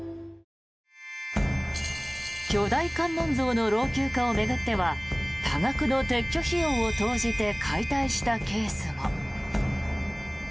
巨大観音像の老朽化を巡っては多額の撤去費用を投じて解体したケースも。